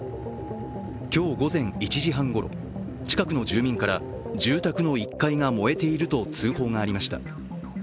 今日午前も１時半ごろ、近くの住民から住宅の１階が燃えていると通報がありました。